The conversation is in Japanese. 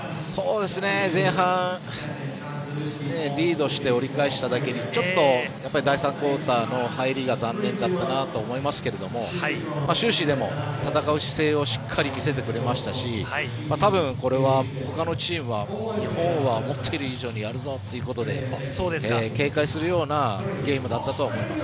前半リードして折り返しただけにちょっと第３クオーターの入りが残念だったなと思いますけどもでも終始、戦う姿勢をしっかり見せてくれましたし多分、これはほかのチームは日本は思っている以上にやるぞということで警戒するようなゲームだったと思います。